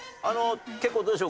結構どうでしょう？